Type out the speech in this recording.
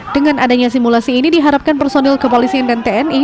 dengan adanya simulasi ini diharapkan personil kepolisian dan tni